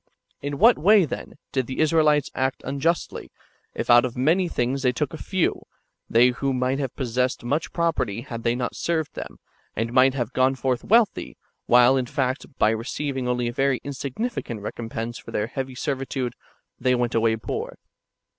In what way, then, did [the Israelites] act unjustly, if out of many things they took a few, they who might have possessed much property had they not served them, and might have gone forth wealthy, while, in fact, by receiving only a very insignificant recompense for their heavy servitude, they went away poor?